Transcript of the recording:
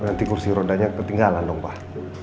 nanti kursi rodanya ketinggalan dong pak